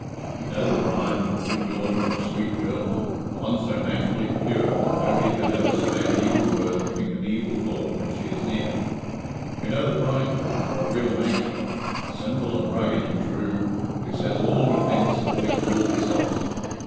We know the bride for a good daughter and a sweet girl one so naturally pure that nobody can ever say an evil word or think an evil thought when she is near. We know the bridegroom for a real Manxman, simple and rugged and true, who says all he thinks and thinks all he says.